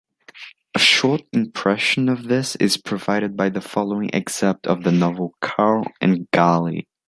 A short impression of this is provided by the following excerpt of the novel “Karl und Galie”.